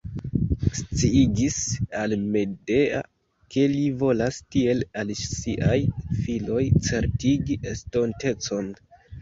Sciigis al Medea, ke li volas tiel al siaj filoj certigi estontecon.